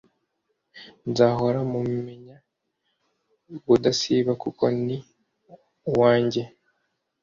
Nzahora mumumenya ubudasiba kuko ni uwanjye